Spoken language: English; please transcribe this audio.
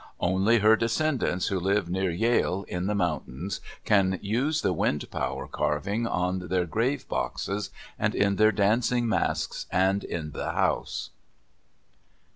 Only her descendants who live near Yale, in the mountains, can use the wind power carving on their grave boxes and in their dancing masks and in the house.